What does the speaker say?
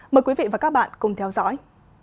mời quý vị và các bạn cùng theo dõi